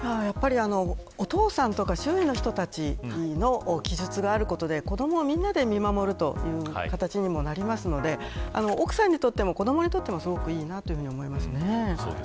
お父さんとか周囲の人たちの記述があることで子どもはみんなで見守るという形にもなりますので奥さんにとっても、子どもにとってもすごくいいと思います。